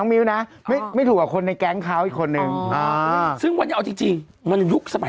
ไม่ถูกกันครับ